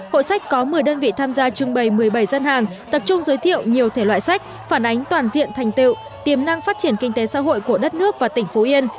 hội sách có một mươi đơn vị tham gia trưng bày một mươi bảy dân hàng tập trung giới thiệu nhiều thể loại sách phản ánh toàn diện thành tiệu tiềm năng phát triển kinh tế xã hội của đất nước và tỉnh phú yên